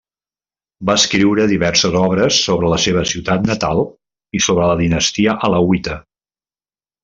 Va escriure diverses obres sobre la seva ciutat natal i sobre la dinastia alauita.